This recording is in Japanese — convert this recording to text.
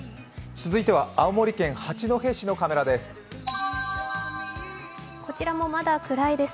続いては青森県八戸市のカメラです。